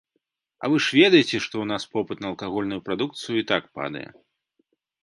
А вы ж ведаеце, што ў нас попыт на алкагольную прадукцыю і так падае.